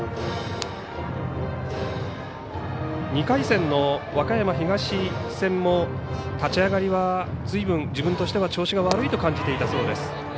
２回戦の和歌山東戦も立ち上がりはずいぶん、自分としては調子が悪いと感じていたそうです。